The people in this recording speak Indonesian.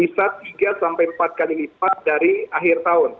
bisa tiga sampai empat kali lipat dari akhir tahun